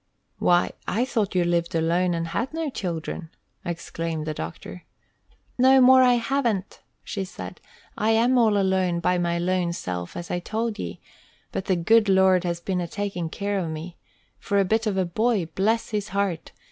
"Why, I thought you lived alone, and had no children!" exclaimed the doctor. "No more I haven't," she said. "I am all alone by me lone self, as I told ye, but the good Lord has been a takin' care of me; for a bit of a boy, bless his heart!